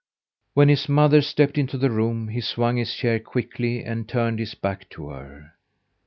When his mother stepped into the room, he swung his chair quickly and turned his back to her.